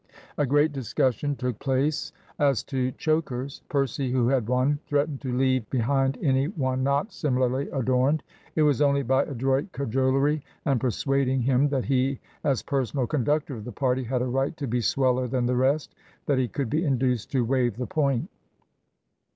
A great discussion took place as to chokers. Percy, who had one, threatened to leave behind any one not similarly adorned. It was only by adroit cajolery, and persuading him that he, as personal conductor of the party, had a right to be sweller than the rest, that he could be induced to waive the point.